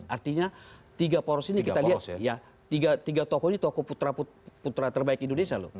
artinya tiga poros ini kita lihat ya tiga tokoh ini tokoh putra putra terbaik indonesia loh